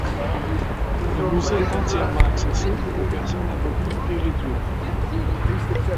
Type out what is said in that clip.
Le musée est entièrement accessible aux personnes à mobilité réduite.